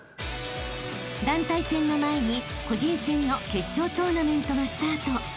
［団体戦の前に個人戦の決勝トーナメントがスタート］